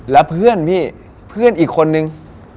แล้วเพื่อนพี่เพื่อนอีกคนนึง